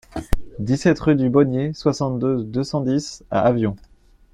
dix-sept rue du Bonnier, soixante-deux, deux cent dix à Avion